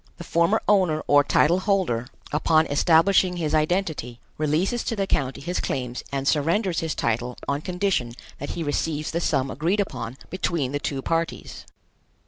The former owner or title holder, upon establishing his identity, releases to the county his claims and surrenders his title on condition that he receives the sum agreed upon between the two parties.